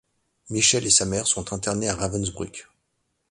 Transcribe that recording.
Michèle et sa mère sont internées à Ravensbrück.